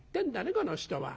この人は。